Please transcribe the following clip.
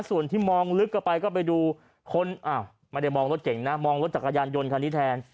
ส่วนที่มองลึกเข้าไปก็ไปดูคนอ้าวไม่ได้มองรถเก่งนะมองรถจักรยานยนต์คันนี้แทน